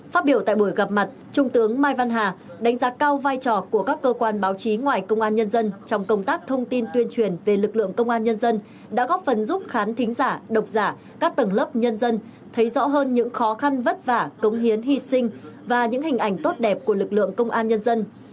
phát biểu tại buổi gặp mặt trung tướng mai văn hà đánh giá cao vai trò của các cơ quan báo chí ngoài công an nhân dân trong công tác thông tin tuyên truyền về lực lượng công an nhân dân đã góp phần giúp khán thính giả độc giả các tầng lớp nhân dân thấy rõ hơn những khó khăn vất vả cống hiến hy sinh và những hình ảnh tốt đẹp của lực lượng công an nhân dân